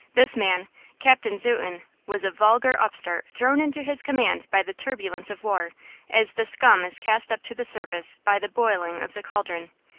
This man, Captain Zuten, was a vulgar upstart thrown into his command by the turbulence of war, as the scum is cast up to the surface by the boiling of the cauldron.